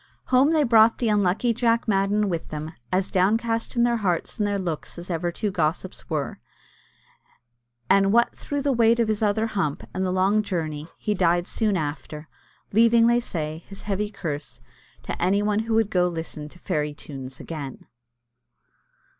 Home they brought the unlucky Jack Madden with them, as downcast in their hearts and their looks as ever two gossips were; and what through the weight of his other hump, and the long journey, he died soon after, leaving, they say, his heavy curse to any one who would go to listen to fairy tunes again.